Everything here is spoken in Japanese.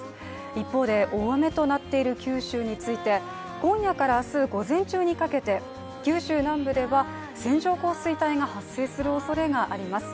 一方で大雨となっている九州について今夜から明日、午前中にかけて九州南部では線状降水帯が発生するおそれがあります。